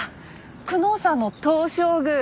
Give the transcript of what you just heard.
久能山の東照宮。